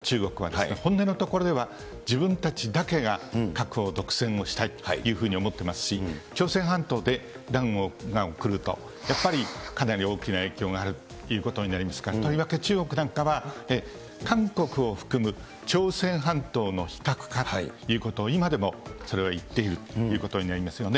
冷戦の終結後、北朝鮮は本格的な核の保有国になっていったわけですけれども、国境を接するロシアや、それから中国は、本音のところでは、自分たちだけが核を独占をしたいというふうに思っていますし、朝鮮半島でが来ると、やっぱりかなり大きな影響があるということになりますから、とりわけ中国なんかは、韓国を含む朝鮮半島の非核化ということを、今でもそれを言っているということになりますよね。